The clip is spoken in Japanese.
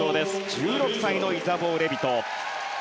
１６歳のイザボー・レビト。